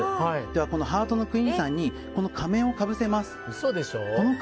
では、ハートのクイーンさんに仮面をかぶせます。